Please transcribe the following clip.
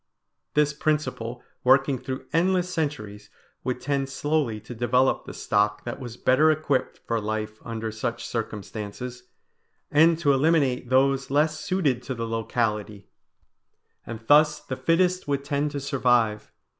This principle working through endless centuries would tend slowly to develop the stock that was better equipped for life under such circumstances, and to eliminate those less suited to the locality; and thus the fittest would tend to survive.